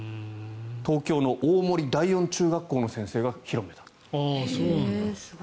東京の大森第四中学校の先生が広めた。